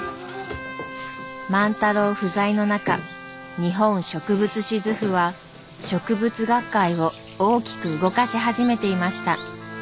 万太郎不在の中「日本植物志図譜」は植物学会を大きく動かし始めていました。